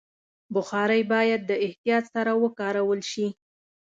بخاري باید د احتیاط سره وکارول شي.